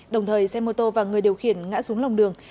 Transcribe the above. đồng thời xe mô tô và người điều khiển ngã xuống lòng đường